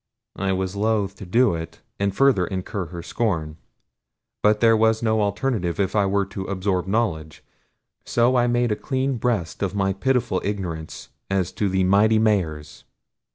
I was loath to do it, and further incur her scorn; but there was no alternative if I were to absorb knowledge, so I made a clean breast of my pitiful ignorance as to the mighty Mahars.